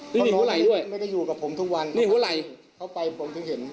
นี่หัวไหลยด้วยนี่หัวไหลยเข้าไปผมเพิ่งเห็น